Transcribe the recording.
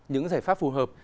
những giải pháp phù hợp